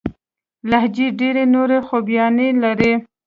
لهجې ډېري نوري خوباياني لري.